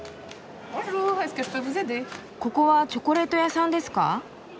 ここはチョコレート屋さんですか？